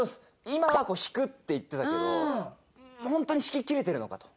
今は引くって言ってたけど本当に引ききれてるのかと。